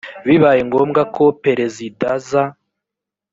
bibaye ngombwa ko perezidaaza